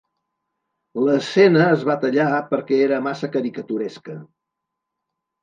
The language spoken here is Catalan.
L"escena es va tallar per què era massa caricaturesca.